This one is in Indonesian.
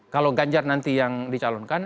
kalau ganjar nanti yang dicalonkan